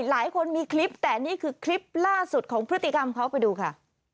หลายคนมีคลิปแต่นี่คือคลิปล่าสุดของพฤติกรรมเขาไปดูค่ะ